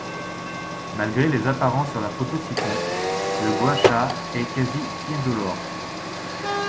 Malgré les apparences sur la photo ci-contre, le Gua Sha est quasi-indolore.